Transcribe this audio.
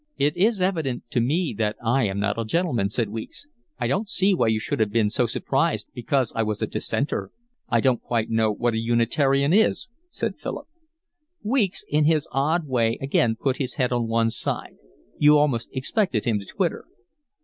"It is evident to me that I am not a gentleman," said Weeks. "I don't see why you should have been so surprised because I was a dissenter." "I don't quite know what a Unitarian is," said Philip. Weeks in his odd way again put his head on one side: you almost expected him to twitter.